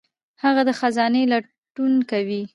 هغه د خزانې لټون کوي.